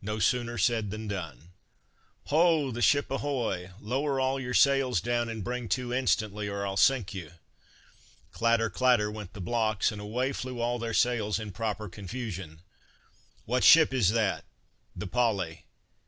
No sooner said than done. "Hoa, the ship ahoy, lower all your sails down, and bring to instantly, or I'll sink you." Clatter, clatter, went the blocks, and away flew all their sails in proper confusion. "What ship is that?" "The Polly."